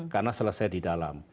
karena selesai di dalam